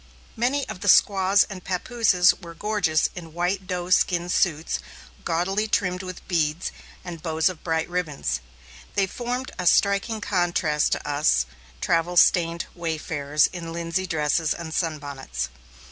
Many of the squaws and papooses were gorgeous in white doe skin suits, gaudily trimmed with beads, and bows of bright ribbons. They formed a striking contrast to us, travel stained wayfarers in linsey dresses and sun bonnets.